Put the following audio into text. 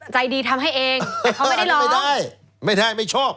ใจดีทำให้เองแต่เขาไม่ได้ร้องไม่ได้ไม่ได้ไม่ชอบ